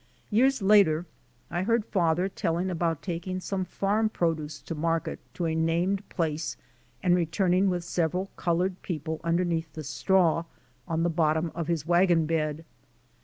"Years later I heard father telling about taking some farm produce to market to a named place and returning with several colored people underneath the straw on the bottom of his wagon bed.